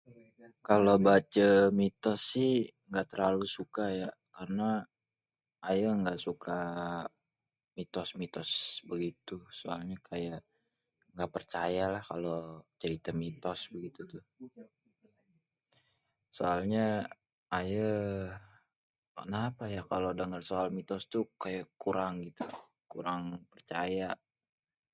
Kalo bace mitos sih gak terlalu suka ya. Karna aye gak suka mitos-mitos begitu. Soalnya kayak gak percayalah kalo cerita mitos begitu tuh. Soalnya aye, kenapa ya, kalo denger soal mitos tu kayak kurang gitu, kurang percaya.